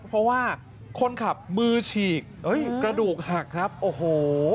เพราะว่าคนขับมือฉีกกระดูกหักครับโอ้โห